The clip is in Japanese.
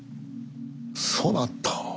そなたは。